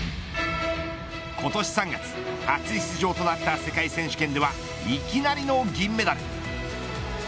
今年３月初出場となった世界選手権ではいきなりの銀メダル。